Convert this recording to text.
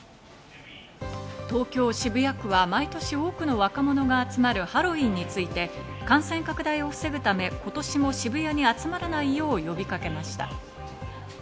東京・渋谷区は毎年多くの若者が集まるハロウィーンについて感染拡大を防ぐため今年も渋谷に集まらないよう呼びかけました。